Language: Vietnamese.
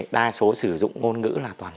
đa số sử dụng ngôn ngữ là toàn